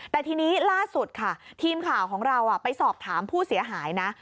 แต่ทีนี้ล่าสุดค่ะทีมข่าวของเราไปสอบถามผู้เสียหายนะ